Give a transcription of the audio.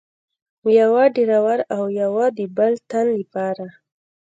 یوه د ډریور او یوه د بل تن له پاره.